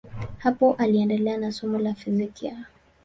Hapo aliendelea na somo la fizikia.